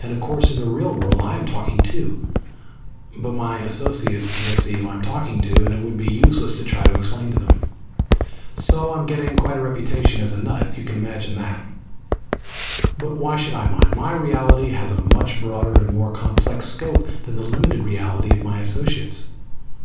And of course in the real world I am talking too, but my associates can't see who I'm talking to, and it would be useless to try to explain to them. So I'm getting quite a reputation as a nut! Can you imagine that? But why should I mind? My reality has a much broader and more complex scope than the limited reality of my associates.